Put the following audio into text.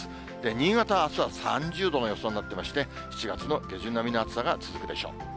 新潟はあすは３０度の予想になってまして、７月の下旬並みの暑さが続くでしょう。